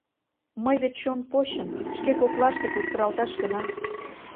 — Мый вет, чон почын, шке коклаште кутыралташ гына...